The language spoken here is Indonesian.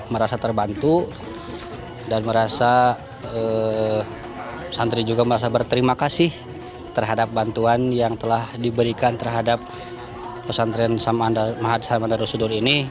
merasa terbantu dan merasa santri juga merasa berterima kasih terhadap bantuan yang telah diberikan terhadap pesantren mahat sama darussudur ini